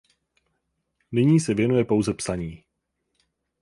Nyní se věnuje pouze psaní.